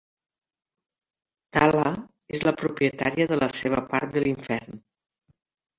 Tala és la propietària de la seva part de l'infern.